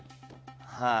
はい。